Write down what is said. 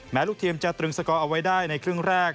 ลูกทีมจะตรึงสกอร์เอาไว้ได้ในครึ่งแรก